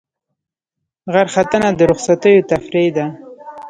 غره ختنه د رخصتیو تفریح ده.